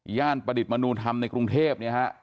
ย่านประดิษฐ์มนุษย์ธรรมในกรุงเทพฯ